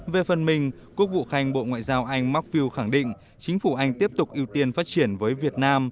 về phần mình quốc vụ khanh bộ ngoại giao anh mockfield khẳng định chính phủ anh tiếp tục ưu tiên phát triển với việt nam